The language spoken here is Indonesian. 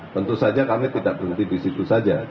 tentu saja kami tidak berhenti di situ saja